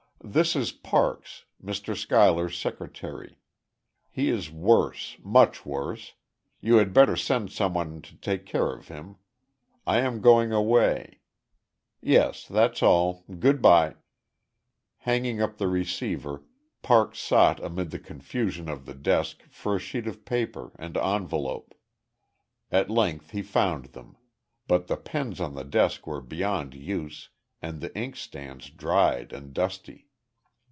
"This is Parks Mr. Schuyler's secretary.... He is worse much worse.... You had better send someone to take care of him. I am going away.... Yes, that's all. Goodbye." Hanging up the receiver, Parks sought amid the confusion of the desk for a sheet of paper, and envelope. At length he found them; but the pens on the desk were beyond use, and the ink stands dried and dusty.